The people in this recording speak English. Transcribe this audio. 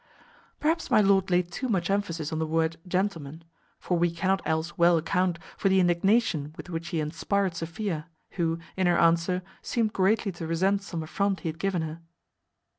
Perhaps my lord laid too much emphasis on the word gentleman; for we cannot else well account for the indignation with which he inspired Sophia, who, in her answer, seemed greatly to resent some affront he had given her.